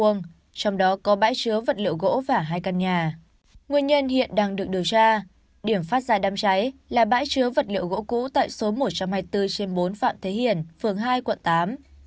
nguyên nhân hiện đang được điều tra điểm phát ra đám cháy là bãi chứa vật liệu gỗ cũ tại số một trăm hai mươi bốn trên bốn phạm thế hiển phường hai quận tám